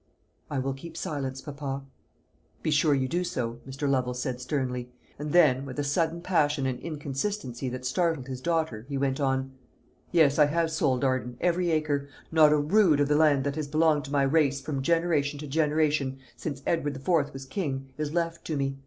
"I will keep silence, papa." "Be sure you do so," Mr. Lovel said sternly; and then, with a sudden passion and inconsistency that startled his daughter, he went on: "Yes, I have sold Arden every acre. Not a rood of the land that has belonged to my race from generation to generation since Edward IV. was king, is left to me.